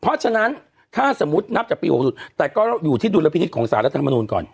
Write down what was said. เพราะฉะนั้นถ้าสมมุตินับจากปี๖๐แต่ก็อยู่ที่ดุลพินิษฐ์ของสารรัฐมนูลก่อน